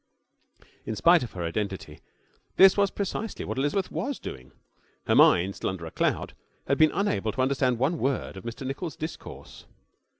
In spite of her identity, this was precisely what Elizabeth was doing. Her mind, still under a cloud, had been unable to understand one word of Mr Nichols's discourse.